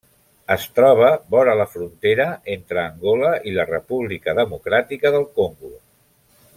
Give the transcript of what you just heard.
Es troba vora la frontera entre Angola i la República Democràtica del Congo.